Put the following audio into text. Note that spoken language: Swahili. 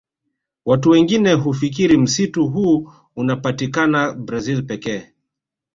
Watu wengine hufikiri msitu huu unapatikana Brazil pekee